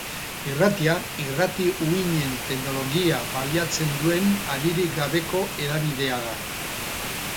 Irratia irrati-uhinen teknologia baliatzen duen haririk gabeko hedabidea da.